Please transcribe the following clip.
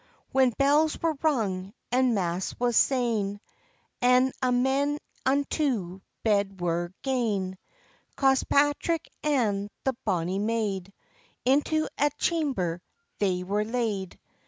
When bells were rung, and mass was sayne, And a' men unto bed were gane, Cospatrick and the bonny maid, Into ae chamber they were laid.